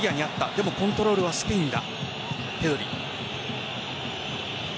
でもコントロールはスペインだ。